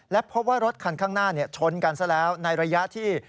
และพบว่ารถคันข้างหน้าชนกันซะแล้วในระยะที่